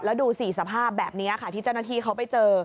แล้วดูสิสภาพแบบนี้ค่ะที่เจ้าหน้าที่เขาไปเจอ